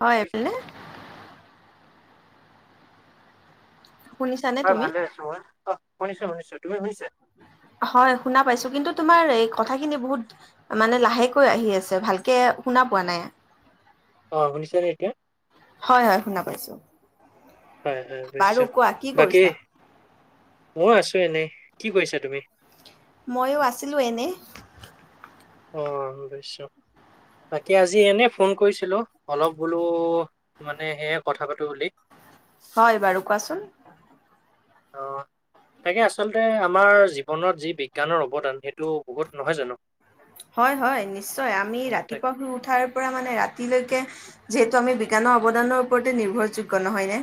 হয় বলে [unintelligible] শুনিছানে হয় তুমি? ভালে আছো মই। অ', শুনিছো-শুনিছো তুমি শুনিছে? [unintelligible] হয়, শুনা পাইছো কিন্তু তুমাৰ এই কথা খিনি বহুত মানে লাহেকৈ আহি আছে ভালকে শুনা পোৱা নাই। অ শুনিছানে এতিয়া? হয়-হয় শুনা পাইছো। হয়-হয় বাৰু বোজিছো। কোৱা কি কৰিছা? বাকী--মই আছো এনেই। কি কৰিছা তুমি? ময়ো আছিলোঁ এনে। অ', হুবেইছ্যক [unintelligible] বাকী আজি এনেই ফোন কৰিছিলো, অলপ বোলো মানে সেয়ে কথা পাতো বুলি। হয় বাৰু কোৱাচোন? অ', তাকে আচলতে আমাৰ জীৱনত যি বিজ্ঞানৰ অৱদান সেইটো বহুত নহয় জানো? হয়-হয় নিশ্চয়, আমি তাক- ৰাতিপুৱা শুই উঠাৰ পৰা মানে ৰাতিলৈকে যিহেতু আমি বিজ্ঞানৰ অৱদানৰ ওপৰতে নিৰ্ভৰযোগ্য নহয়নে?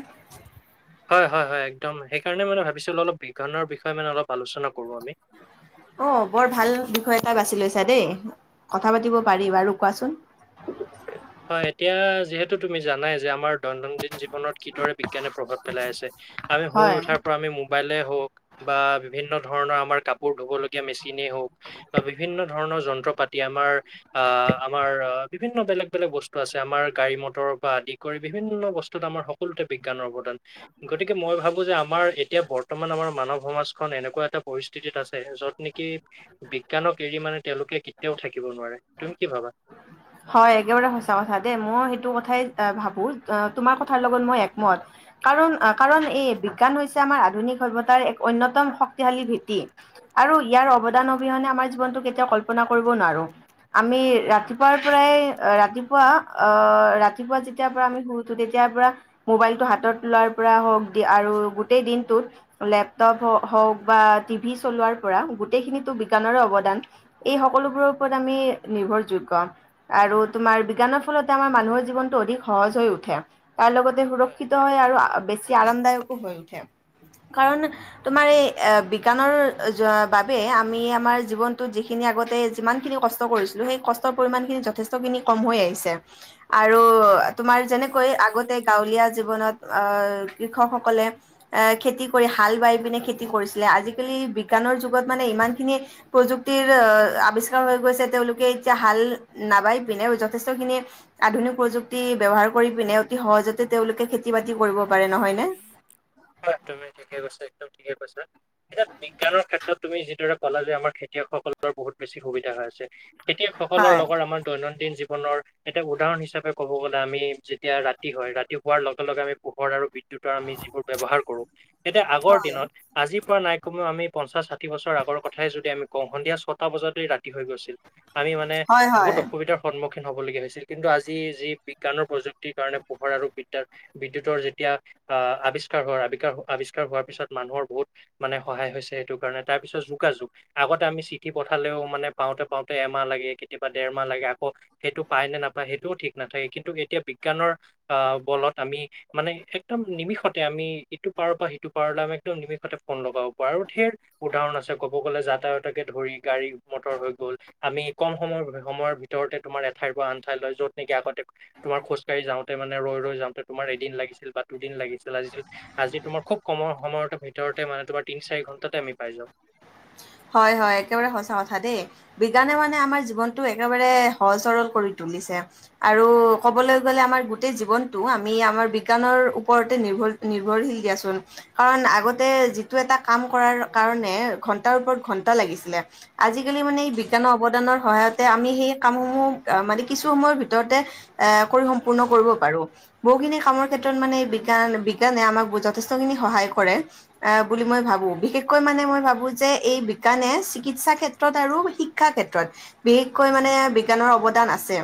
হয়-হয়-হয় একদম সেইকাৰণে মানে ভাবিছিলোঁ অলপ বিজ্ঞানৰ বিষয়ে মানে অলপ আলোচনা কৰোঁ আমি। অ', বৰ ভাল বিষয় এটা বাছি লৈছা দেই, কথা পাতিব পাৰি। বাৰু কোৱাচোন? [inaudible] হয়, এতিয়া যিহেতু তুমি জানাই যে আমাৰ দৈনন্দিন জীৱনত কিদৰে বিজ্ঞানে প্ৰভাৱ পেলাই আছে। আমি শুই হয় উঠাৰ পৰা আমি মোবাইলে হওক বা বিভিন্ন ধৰণৰ আমাৰ কাপোৰ ধুব লগগীয়া মেচিনেই হওক বা বিভিন্ন ধৰণৰ যন্ত্ৰ পাতি আমাৰ আ, আমাৰ আ, আমাৰ বিভিন্ন বেলেগ বিলাক বস্তু আছে আমাৰ গাড়ী মটৰ পৰা আদি কৰি বিভিন্ন বস্তুত আমাৰ সকলোতে বিজ্ঞানৰ অৱদান গতিকে মই ভাবোঁ যে আমাৰ এতিয়া বৰ্তমান আমাৰ মানৱ সমাজখন এনেকুৱা এটা পৰিস্থিতিত আছে য'ত নেকি কি বিজ্ঞানক এৰি মানে তেওঁলোকে কেতিয়াও থাকিব নোৱাৰে, তুমি কি ভাবা? হয় একেবাৰে সঁচা কথা দেই, মই সেইটো কথাই ভাবো তোমাৰ কথাৰ লগত মই একমত কাৰণ কাৰণ এই বিজ্ঞান হৈছে আমাৰ আধুনিক সভ্তাৰ এক অন্যতম শক্তিশালী ভেটি আৰু ইয়াত অৱদান অহনে আমাৰ জীৱন টো কেতিয়াও কল্পনা কৰিব নোৱাৰো। আমি ৰাতিপুৱাৰ পৰাই আ, ৰাতিপুৱা আ, ৰাতিপুৱা যেতিয়াৰ পৰা আমি শুই উঠোঁ তেতিয়া পৰা মোবাইল টো হাতত তলোৱাৰ পৰা হওক দি আৰু গো গোটেই দিনটোত লেপটপ হওক বা টিভি চলোৱাৰ পৰা গোটেইখিনিতো বিজ্ঞানৰ অৱদান। এই সকলোবোৰৰ ওপৰত আমি নিৰ্ভৰযোগ্য আৰু তোমাৰ বিজ্ঞানৰ ফলতে আমাৰ মানুহৰ জীৱনটো অধিক সহজ হৈ উঠে। তাৰ লগতে সুৰক্ষিত হয় আৰু বেছি আৰৰামদায়কো হৈ উঠে। কাৰণ তোমাৰ এই আ, বিজ্ঞানৰ জুৱা বাবে আমি আমাৰ জীৱনটো যিখিনি আগতে যিমান খিনি কষ্ট কৰিছো হেই কষ্ট পৰিমাণ খিনি যথেষ্ট খিনী কম হৈ আহিছে আৰু তোমাৰ যেনেকৈ আগতে গাঁৱলীয়া জীৱনত আ, কৃষকসকলে আ, খেতি কৰি হাল বাই পিনে খেতি কৰিছে। আজিকালি বিজ্ঞানৰ যুগত মানে ইমান খিনি প্ৰযুক্তিৰ আ, আৱিষ্কাৰ হৈ গৈছে তেওঁলোক এতিয়া হাল নাবাই পিনে যথেষ্ট খিনি, আধুনিক প্ৰযুক্তি ব্যৱহাৰ কৰি পিনে অতি স সহজতে তেওঁলোকে খেতি বাতি কৰিব পাৰে নহয় নে? হয় তুমি ঠিকে কৈছ একদম ঠিকে কৈছা, এতিয়া বিজ্ঞানৰ ক্ষেত্ৰত তুমি যিদৰে কলা যে আমাৰ খেতি খেতিয়ক সকলৰ বহুত বেছি সুবিধা হৈ আছে, খেতিয়কসকলৰ হয় লগত আমাৰ দৈনন্দি দৈনন্দিন জীৱনৰ এটা উদাহৰণ হিচাপে ক'ব গ'লে আমি যেতিয়া ৰাতি হয়, ৰাতি হোৱাৰ লগে লগে আমি পোহৰ আৰু দুটা আমি যিবোৰ ব্যৱহাৰ কৰো তেতিয়া আগৰ হয় দিনত আজি আজিৰ পৰা নাই কমও আমি পঞ্চাশ, ষাঠি বছৰ আগৰ কথাই যদি আমি কওঁ, সন্ধিয়া ছটা বজাততেৰি ৰাতি হৈ গৈছিল। আমি মানে হয়, হয়। বহুত অসুবিধাৰ সন্মুখ খিন হ'বলগীয়া হৈছিল, কিন্তু আজি যি বিজ্ঞানৰ প্ৰযুক্তিৰ কাৰণে পোহৰ আৰু বিদ্যাৰ বিদ্যুতৰ যেতিয়া অ আবিছ বিষ্কাৰ হোৱাৰ আ আৱিষ্কাৰ হোৱাৰ পিছত মানুহৰ বহুত মানে সহায় হৈছে। সেইটো কাৰণে তাৰ পিছত যোগাযোগ আগতে আমি চিঠি পঠালেও মানে পাওঁতে পাওঁতে এমাহ লাগে কেতিয়াবা দেৰমাহ লাগে আকৌ সেইটো পায় নে নাপায় সেইটোও ঠিক নাথাকে। কিন্তু এতিয়া বিজ্ঞানৰ আহ বলত আমি মানে একদম নিমিষত আমি ইটো পাৰৰ পৰা সিটো পাৰলৈ আমি একদম নিমিষতে ফোন লগাব পাৰো। আৰু ধেৰ উদাহৰণ আছে ক'ব গ'লে আটাইতাকে ধৰি গাড়ী মটৰ হৈ গ'ল, আমি কম সময় সময়ৰ ভিতৰতে তোমাৰ এঠাইৰ পৰা আন ঠাই য'ত নেকি আগতে তোমাৰ খোজকাঢ়ি যাওঁতে মানে ৰৈ ৰৈ যাওঁতে তোমাৰ এদিন লাগিছিল বা দুদিন লাগিছিল আজি তোমাৰ খুব কমৰ সময়তে ভিতৰতে মানে তোমাৰ তিন, চাৰি ঘন্টাতে আমি পাই যাওঁ। হয়, হয়। একেবাৰে সঁচা কথা দেই। বিজ্ঞানে মানে আমাৰ জীৱনটো একেবাৰে সহজ সৰল কৰি তো তুলিছে আৰু কবলৈ গলে আমাৰ গোটেই জীৱনটো আমি আমাৰ বিজ্ঞানৰ ওপৰতে নিৰ্ভৰ নিৰ্ভৰশীল দিয়াচোন, কাৰণ আগতে যিটো এটা কামকৰাৰ কাৰণে ঘণ ঘণ্টাৰ ওপৰত ঘণ্টা লাগিছিলে, আজি কালি মানে এই বিজ্ঞানৰ অৱদানৰ সহায়তে আমি হেই কাম সমূহ আহ মানে কিছু সময়ৰ ভিতৰতে এ কৰি সম্পূৰ্ণ কৰিব পাৰো। বহুখিনি কামৰ ক্ষেত্ৰত মানে বিজ্ঞান মানে বিজ্ঞানে অমাক বুজোৱা যথেষ্ট খিনি সহায় কৰে আঁহ বুলি মই ভাবোঁ। বিশেষ কৈ মানে মই ভাবো যে এই বিজ্ঞানে চিকিৎসা ক্ষেত্ৰত আৰু শিক্ষা ক্ষেত্ৰত বিশেষকৈ মানে বিজ্ঞানৰ অৱদান দান আছে।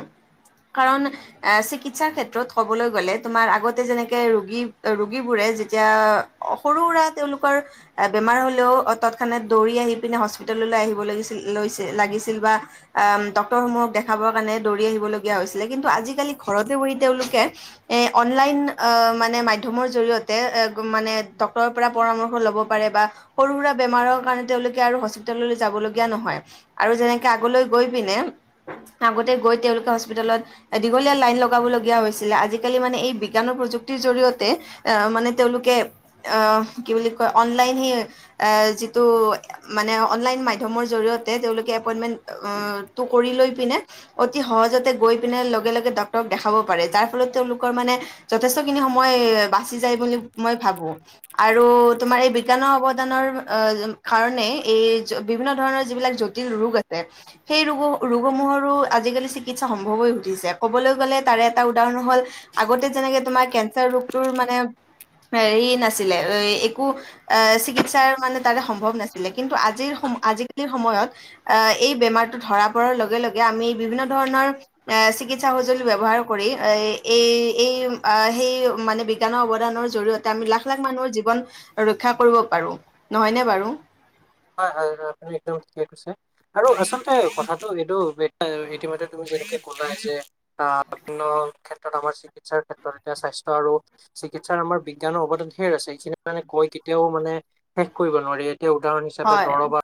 কাৰণ এ চিকিৎসাৰ ক্ষেত্ৰত ক'বলৈ গ'লে তোমাৰ আগতে যেনেকে ৰোগী ৰোগীবোৰে যেতিয়া সৰু সুৰা তেওঁলোকৰ বেমাৰ হলেও অ তত ক্ষনাত দৌৰি আহি পিনে হস্পিতাললৈ আহিব লিছিল লৈছিল লাগিছিল বা অম ডক্তৰ সমূহক দেখাব ৰৰ কাৰনে দৌৰী আহিব লগীয়া হৈছিলে। কিন্তু আজি কালি ঘৰতে বহি তেওঁলোকে এ অনলাইন আ মানে মাধ্যমৰ জৰিয়তে উ মানে ডক্তৰৰ পৰা পৰামৰ্শ ল'ব পাৰে বা সৰু সুৰা বেমাৰৰ কাৰণে তেওঁলোকে আৰু হস্পিতাললৈ যাব লগা নহয় আৰু যেনেকে আগলৈ গৈ পিনে আগতে গৈ তেওঁলোকে হস্পিতালত দীঘলীয়া লাইন লগাব লগীয়া হৈছিলে। আজিকালি মানে এই বিজ্ঞানৰ প্ৰযুক্তি প্ৰযুক্তিৰ জৰিয়তে এ মানে তেওঁলোকে আহ কি বুলি কয় অনলাইন এ যিটো মানে অনলাইন মাধ্যমৰ জৰিয়তে তেওঁলোকে এপইনমেন্টটো কৰি লৈ পিনে অতি সহজতে গৈ পিনে লগে লগে ডক্তৰক দেখাব পাৰে যাৰ ফলত তেওঁলোকৰ মানে যথেষ্টখিনি সময় বাচি যায় বুলি মই ভাবো আৰু তোমাৰ এই বিজ্ঞানৰ অৱ দানৰ কাৰণে এই বিভিন্ন ধৰণৰ যিবিলাক জটিল ৰোগ আছে সেই ৰোগৰ ৰোগসমূহৰো আজিকালি চিকিৎসা সম্ভৱ হৈ উঠিছে। ক'বলৈ গ'লে তাৰে এটা উদাহৰণ হল আগতে যে তোমাৰ কেনচাৰ ৰোগটোৰ মানে হে নাছিলে একো চিকিত চাৰ মানে তাৰে সম্ভৱ নাছিলে। কিন্তু আজিৰ আজিকালিৰ সময়ত আহ এই বেমাৰটো ধৰা পৰাৰ লগে লগে আমি বিভিন্ন ধৰণৰ এ চি চিকিৎসা সঁজুলি ব্যৱহাৰ কৰি এই এই সেই মানে বিজ্ঞানৰ অৱদানৰ জৰিয়তে আমি লাখ-লাখ মানুহৰ জীৱন ৰক্ষা কৰিব পাৰো, নহয়নে বাৰু? হয়, হয়, হয়। আপুনি একদম ঠিকেই কৈছে। আৰু আচলতে কথা এইটো ইতিমধ্যে তুমি যেনেকে কলাই যে আহ বিভিন্ন ক্ষেত্ৰত আমাৰ চিকিৎসা ক্ষেত্ৰত এতিয়া স্বাস্থ্য আৰু চিকিৎসাৰ আমাৰ বিজ্ঞানৰ অৱদান ধেৰ আছে। এইখিনি মানে কৈ কেতিয়াও মানে শেষ কৰিব নোৱাৰি। এতিয়া উদাহৰণ হিচাপে হয় দৰৱৰ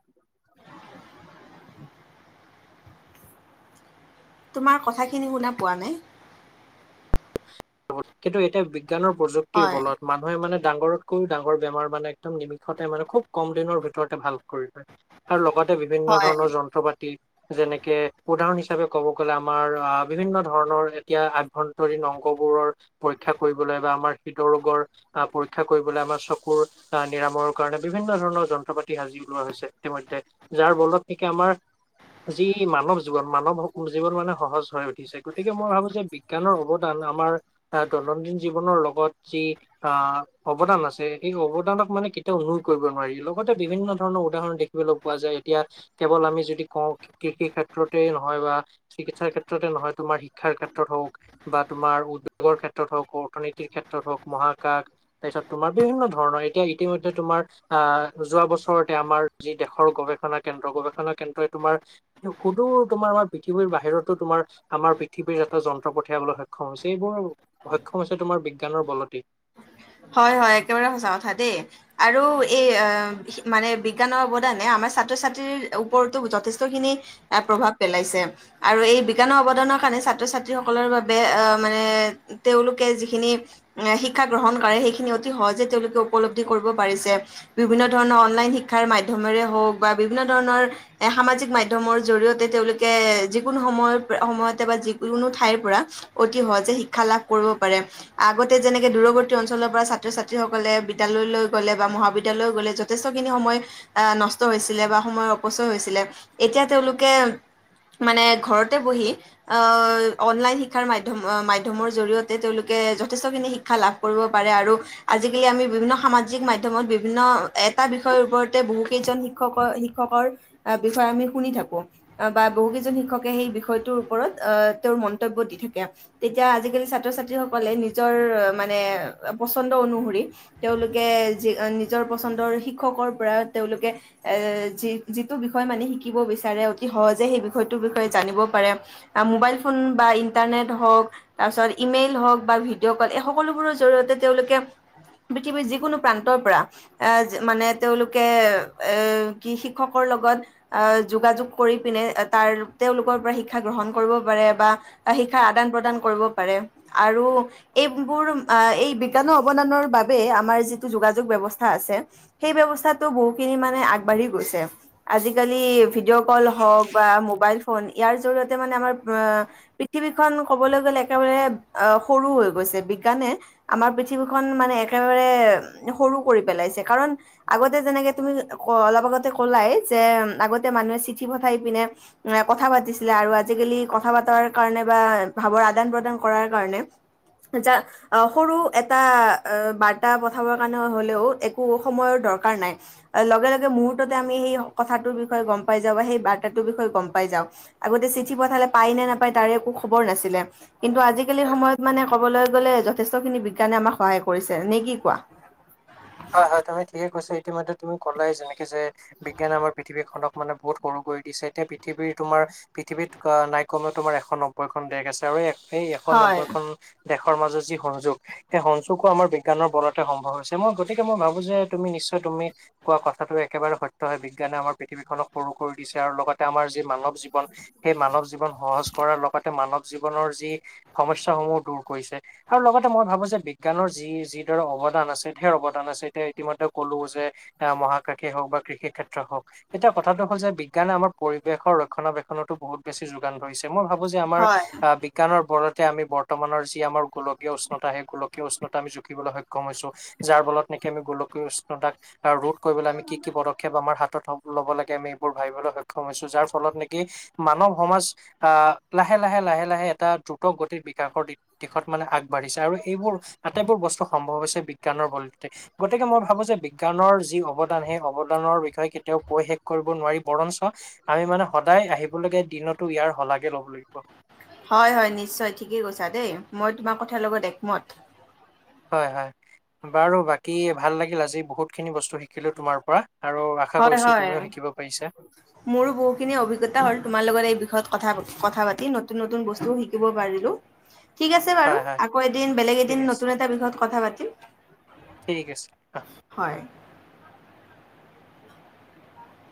তোমাৰ কথাখিনি শুনা পোৱা নাই। কিন্তু এতিয়া বিজ্ঞানৰ প্ৰযুক্তিৰ হয়, বলত মানুহে মানে ডাঙৰতকৈও ডাঙৰ বেমাৰ মানে একদম নিমিষতে মানে খুব কম দিনৰ ভিতৰতে ভাল কৰি লয় আৰু লগত তে বিভিন্ন হয়, ধৰণৰ যন্ত্ৰ পাতি যেনেকে উদাহৰণ হিচাপে ক'ব গ'লে আমাৰ আহ বিভিন্ন ধৰণৰ এতিয়া আভ্যন্তৰীণ অংশ খবোৰৰ পৰীক্ষা কৰিবলৈ বা আমাৰ হৃদ ৰোগৰ আহ পৰীক্ষা কৰিবলৈ আমাৰ চকুৰ আহ নিৰাময়ৰ কাৰণে বিভিন্ন ধৰণৰ যন্ত্ৰ পাতি সাজি ওলোৱা হৈছে ইতিমধ্যে। যাৰ বলত নেকি আমাৰ আ যি মানৱ জীৱন মানৱ জীৱন মানে সহজ হৈ উঠিছে। গতিকে মই ভাবো যে বিজ্ঞানৰ অৱদান আমাৰ আহ দৈনন্দিন জীৱনৰ লগত যি আ অৱদান আছে সেই অৱদানক মানে কেতিয়াও অনু কৰিব নোৱাৰি। লগতে বিভিন্ন ধৰণৰ উদাহৰণ দেখিবলৈ পোৱা যায়। এতিয়া কেৱল আমি যদি কওঁ কৃষি ক্ষেত তে নহয় বা চিকিৎস ক্ষেত্ৰতে নহয় তোমাৰ শিক্ষাৰ ক্ষেত্ৰত হওঁক বা তোমাৰ উদ যোগৰ ক্ষেত্ৰত হওক অৰ্থনীতিৰ ক্ষেত্ৰত হওক মহাকাশ তাৰপিছত তোমাৰ বিভিন্ন ধৰণৰ এতিয়া ইতিমধ্যে তোমাৰ আহ যোৱা বছৰতে আমাৰ যি দেশৰ গ গৱেষণা কেন্দ্ৰ গৱেষণা কেন্দ্ৰই তোমাৰ সুদোৰ তোমাৰ আমাৰ পৃথিৱীৰ বাহিৰতো তোমাৰ আমাৰ পৃথিৱীৰ এটা যন্ত্ৰ পঠিয়াবলৈ সক্ষম হৈছে এইবোৰ সক্ষম হৈছে তোমাৰ বিজ্ঞানৰ বলতেই হয় হয় একেবাৰে সচা কথা দেই আৰু এই মানে বিজ্ঞানৰ অৱদানে আমাৰ ছাত্ৰ ছাত্ৰীৰ ওপৰতো যথেষ্টখিনি প্ৰভাৱ পেলাইছে আৰু এই বিজ্ঞানৰ অৱদানৰ কাৰ ছাত্ৰ ছাত্ৰীসকলৰ বাবে মানে তেওঁলোকে যিখিনি শিক্ষা গ্ৰহণ কৰে সেইখিনি অতি সহজে তেওঁলোকে উপলব্ধি কৰিব পাৰিছে বিভিন্ন ধৰণৰ অনলাইন শিক্ষাৰ মাধ্যমেৰে হও বা বিভিন্ন ধৰণৰ এ সামাজিক মাধ্যমৰ জৰিয়তে তেওঁলোকে যিকোনো সময় সময়ত বা যিকোনো ঠাইৰ পৰা অতি সহজে শিক্ষা লাভ কৰিব পাৰে আগতে যেনেকে দূৰৱৰ্তী অঞ্চলৰ পৰা ছাত্ৰ ছাত্ৰীসকলে বিদ্যালয়লৈ গ'লে বা মহাবিদ্যালয় গলে যথেষ্টখিনি সময় আহ ন নষ্ট হৈছিলে বা সময়ৰ অপচয় হৈছিলে এতিয়া তেওঁলোকে মানে ঘৰতে বহি আহ অনলাইন শিক্ষাৰ মাধ্যম মাধ্যমৰ জৰিয়তে তেওঁলোকে যথেষ্টখিনি শিক্ষা লাভ কৰিব পাৰে আৰু আজিকালি আমি বিভিন্ন সামাজিক মাধ্যমত বিভিন্ন এটা বিষয়ৰ ওপৰতে বহু কেইটা এজন শিক্ষকৰ শিক্ষকৰ বিষয়ে আমি শুনি থাকো বা বহু কেইজন শিক্ষকে সেই বিষয়টো ওপৰত তেওঁ মন্তব্য দি থাকে তেতিয়া আজিকালিৰ ছাত্ৰ ছাত্ৰীসকলে নিজৰ মান মানে পচন্দ অনুসৰি তেওঁলোকে নিজৰ পচন্দৰ শিক্ষকৰ পৰা তেও তেওঁলোকে এ যি যিটো বিষয় মানে শিকিব বিচাৰে অতি সহজে সেই বিষয়টোৰ বিষয়ে জানিব পাৰে মোবাইল ফোন বা ইণ্টাৰনেট হওক তাৰপাছত ইমেইল হওক বা ভিডিঅ কলে সকলোবোৰৰ জৰিয়তে তেওঁলোকে পৃথিৱীৰ যিকোনো প্ৰান্তৰ পৰা এ মানে তেওঁলোকে এ কি শিক্ষকৰ লগত আহ যোগাযোগ কৰি পিনে তাৰ তেওঁলোকৰ পৰা শিক্ষা গ্ৰহণ কৰিব পাৰে বা শিক্ষাৰ আদান প্ৰদান কৰিব পাৰে আৰু এই বোৰ এই বিজ্ঞানৰ অৱদানৰ বাবে আমাৰ যিটো যোগাযোগ ব্যৱস্থা আছে সেই ব্যৱস্থাত টো বহু খিনি মানে আগবাঢ়ি গৈছে আজিকালি ভিডিঅ' কল হওক বা মোবাইল ফোন ইয়াৰ জৰিয়তে মানে আমাৰ অ পৃথিৱীখন কবলৈ গ'লে একেবাৰে অ সৰু হৈ গৈছে বিজ্ঞানে আমাৰ পৃথিৱীখন মানে একেবাৰে সৰু কৰি পেলাইছে কাৰণ আগতে যেনেকে তুমি অ অলপ আগতে কলাই যে আগতে মানুহে চিঠি পঠাই পিনে কথা পাতি তিছিলে আৰু আজিকালি কথা পতাৰ কাৰণে বা ভাৱৰ আদান প্ৰদান কৰাৰ কাৰণে যা সৰু এটা বাৰ্তা পঠাবৰ কাৰণে হ'লেও একো সময়ৰ দৰকাৰ নাই লগে লগে মুহুৰ্ততে আমি সেই কথা টোৰ বিষয়ে গম পাই যাওঁ বা সেই বাৰ্তাটোৰ বিষয়ে গম পাই যাওঁ আগতে চিঠি পঠালে পায় নে নাপায় তাৰে একো খবৰ নাছিলে কিন্তু আজিকালি সময়ত মানে ক'বলৈ গ'লে যথেষ্টখিনি বিজ্ঞানে আমাক সহায় কৰিছে নে কি কোৱা হয় হয় তুমি ঠিকে কৈছ ইতিমধ্যে তুমি ক'লাই যেনেকে যে বিজ্ঞান আমাৰ পৃথিৱীখনক মানে বহুত সৰু কৰি দিছে এতিয়া পৃথিৱীৰ তোমাৰ পৃথিৱীত নাই কমেও তোমাৰ এশ নব্বৈখন দেশ আছে আৰু সেই এশ হয় নব্বৈ খন দেশৰ মাজত যি সংযোগ সেই সংযোগো আমাৰ বিজ্ঞানৰ বলতে সম্ভৱ হৈছে মই গতিকে মই ভাবো যে তুমি নিশ্চয় তুমি কোৱা কথাটো একেবাৰে সত্য হয় বিজ্ঞানে আমাৰ পৃথিৱীখনক সৰু কৰি দিছ ছে আৰু লগতে আমাৰ যি মানৱ জীৱন সেই মানৱ জীৱন সহজ কৰাৰ লগতে মানৱ জীৱনৰ যি সমস্যাসমূহ দূৰ কৰিছে আৰু লগতে মই ভাবো যে বিজ্ঞানৰ যি যিদৰে অৱ অৱদান আছে হে অৱ দান আছে এতিয়া ইতিমধ্যে কলো যে এ মহাকাশেই হওক বা কৃষি ক্ষেত্ৰ হওক এতিয়া কথাটো হ'ল যে বি বিজ্ঞানে আমাৰ পৰিৱেশৰ ৰক্ষণাবেক্ষণতো বহুত বেছি যোগান ধৰিছে মই ভাবো যে আমাৰ হয় বিজ্ঞানৰ বলতে তে আমি বৰ্তমানৰ যি আমাৰ গোলকীয় উষ্ণতা সেই গোলকীয় উষ্ণতা আমি জুখিবলৈ সক্ষম হৈছো যাৰ বলত তেনেকে আমি গোলকীয় উষ্ণতাক ৰোধ কৰিবলৈ আমি কি কি পদক্ষেপ আমাৰ হাতত হ'ম লব লাগে আমি এইবোৰ ভাবিবলৈ সক্ষম হৈছো যাৰ ফলত নেকি মানৱ সমাজ আহ লাহে লাহে লাহে লাহে এটা দ্ৰুত গতিৰ বিকাশৰ দিশত মানে আগবাঢ়িছে আৰু এইবোৰ আটাইবোৰ বস্তু সম্ভৱ হৈছে বিজ্ঞানৰ বলত তে গতিকে মই ভাবো যে বিজ্ঞানৰ যি অৱদান সেই অৱদানৰ বিষয়ে কেতিয়াও কৈ শেষ কৰিব নোৱাৰি বৰ। ঞ্চ আমি মানে সদায় আহিবলগীয়া দিনতো ইয়াৰ শলাগে লব লাগিব। হয় হয় নিশ্চয় ঠিকেই কৈছা দেই মই তোমাৰ কথাৰ লগত একমত। হয় হয় বাৰু বাকী ভাল লাগিল আজি বহুত খিনি বস্তু শিকিলো তোমাৰ পৰা আৰু আশা হয় কৰিছো হয় তুমিও শিকিব পাৰিছা। মোৰো বহুখিনি অভিজ্ঞতা হ'ল তোমাৰ লগত এই বিষয়ত কথা পা কথা পাতি নতুন নতুন বস্তু শিকিব পাৰিলো ঠিক আছে হয় বাৰু হয় আকৌ এদিন বেলেগ ঠিক এদিন আছে নতুন এটা বিষয়ত কথা পাতিম ঠিক আছে হ হয়